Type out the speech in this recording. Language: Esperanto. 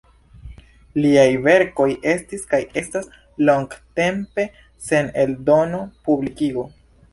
Liaj verkoj estis kaj estas longtempe sen eldono, publikigo.